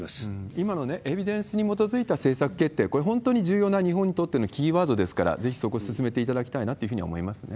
今のエビデンスに基づいた政策決定、これ、本当に重要な日本にとってのキーワードですから、ぜひそこを進めていただきたいなというふうには思いますね。